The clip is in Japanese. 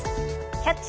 「キャッチ！